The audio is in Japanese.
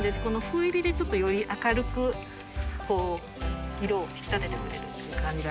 この斑入りでちょっとより明るく色を引き立ててくれる感じあります。